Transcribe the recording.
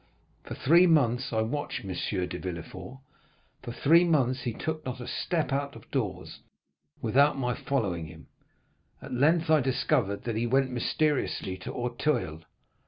"For three months I watched M. de Villefort, for three months he took not a step out of doors without my following him. At length I discovered that he went mysteriously to Auteuil.